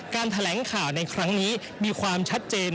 แถลงข่าวในครั้งนี้มีความชัดเจน